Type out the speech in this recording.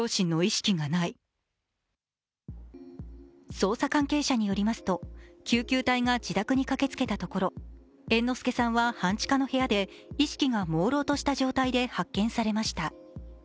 捜査関係者によりますと、救急隊が自宅に駆けつけたところ猿之助さんは半地下の部屋で意識がもうろうとした状態で発見されました。